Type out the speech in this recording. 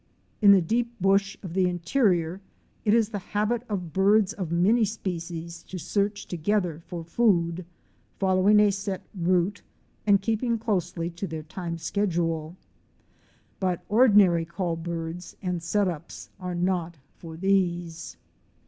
In the deep bush of the interior it is the habit of birds of many species to search together for food, following a set route, and keeping closely to their time schedule. But ordi nary call birds and "set ups" are not for these.